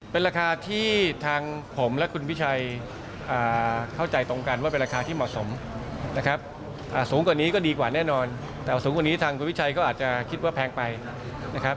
เพราะต้อง๕๑ตลอดเวลานะครับ